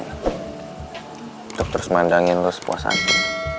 untuk terus mandangin lo sepuas hati